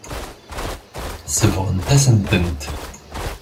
Sebɣent-asent-tent.